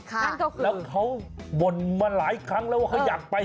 นั่นก็คือแล้วเขาบ่นมาหลายครั้งแล้วว่าเขาอยากไป